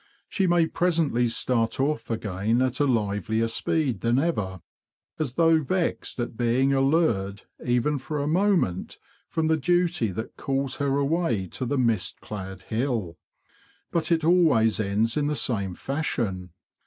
She may presently start off again at a livelier speed than ever, as though vexed at being allured, even for a moment, from the duty that calls her away to the mist clad hill. But it always ends in the same fashion.